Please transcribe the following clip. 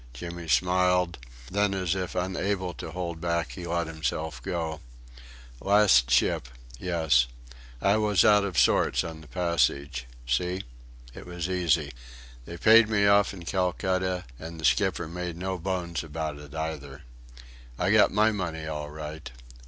Jimmy smiled then as if unable to hold back he let himself go: "Last ship yes. I was out of sorts on the passage. See? It was easy. They paid me off in Calcutta, and the skipper made no bones about it either.... I got my money all right.